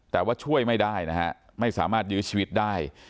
แต่ว่าช่วยไม่ได้นะฮะไม่สามารถยื้อชีวิตได้